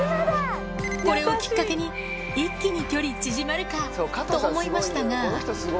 これをきっかけに、一気に距離縮まるかと思いましたが。